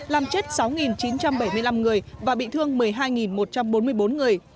làm chết sáu chín trăm bảy mươi năm người và bị thương một mươi hai một trăm bốn mươi bốn người